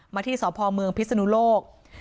มาที่สอบพลเมืองพิศนุโลก